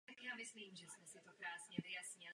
Samci mezi sebou mnohdy bojují.